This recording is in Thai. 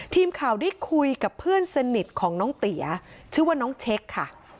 ทีมข่าวได้คุยกับเพื่อนสนิทของน้องเตี๋ยชื่อว่าน้องเช็คค่ะ